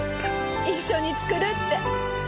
一緒に作るって。